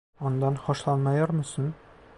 Ondan hoşlanmıyor musun?